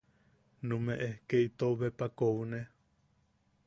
Numeʼe ke itou bepa koune.